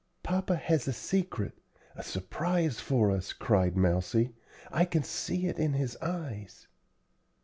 "Papa has a secret a surprise for us," cried Mousie; "I can see it in his eyes."